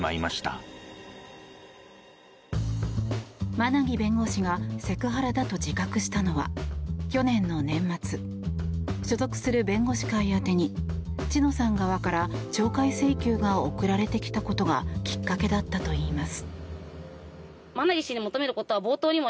馬奈木弁護士がセクハラだと自覚したのは去年の年末所属する弁護士会宛てに知乃さん側から懲戒請求が送られてきたことがきっかけだったといいます。